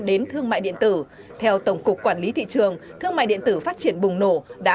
đến thương mại điện tử theo tổng cục quản lý thị trường thương mại điện tử phát triển bùng nổ đã